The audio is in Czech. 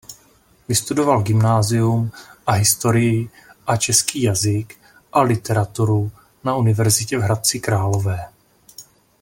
Vystudoval gymnázium a historii a český jazyk a literaturu na univerzitě v Hradci Králové.